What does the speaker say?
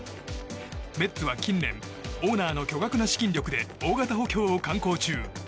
メッツは、近年オーナーの巨額な資金力で大型補強を敢行中。